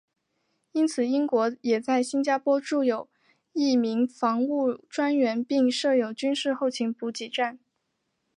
因此英国也在新加坡驻有一名防务专员并设有军事后勤补给站。